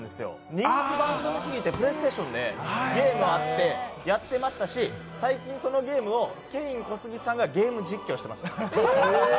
人気番組すぎてプレイステーションでゲームもあって、やってましたし、最近、そのゲームをケイン・コスギさんがゲーム実況してました。